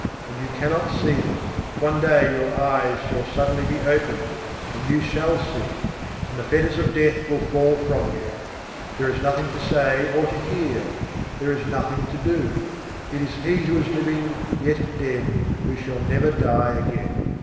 and you cannot see them. One day your eyes shall suddenly be opened, and you shall see: and the fetters of death will fall from you. There is nothing to say or to hear, there is nothing to do: it is he who is living, yet dead, who shall never die again.